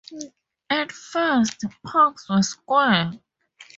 At first, pucks were square.